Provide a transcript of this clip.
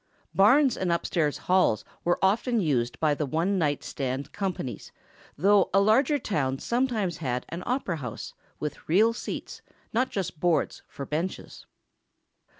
Barns and upstairs halls were often used by the one night stand companies, though a larger town sometimes had an "opera house," with real seats, not just boards for benches.